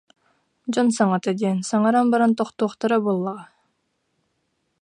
Дьон саҥата диэн, саҥаран баран тохтуохтара буоллаҕа